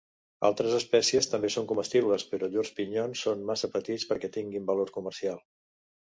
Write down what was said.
Altres espècies també són comestibles però llurs pinyons són massa petits perquè tinguin valor comercial.